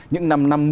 những năm năm